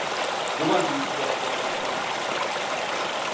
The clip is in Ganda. Luba luyitibwa nkwekabuganda.